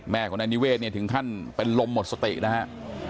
แม่ของนายนิเวศเนี่ยถึงขั้นเป็นลมหมดสตินะฮะ